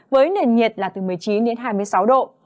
với nền nhiệt là từ một mươi chín đến hai mươi sáu độ